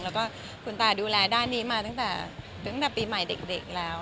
แล้วก็คุณตาดูแลด้านนี้มาตั้งแต่ปีใหม่เด็กแล้ว